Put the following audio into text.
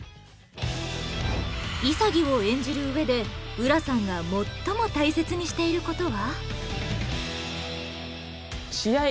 潔を演じる上で浦さんが最も大切にしている事は？